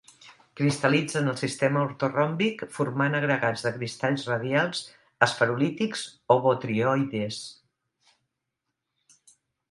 Cristal·litza en el sistema ortoròmbic formant agregats de cristalls radials, esferulítics o botrioides.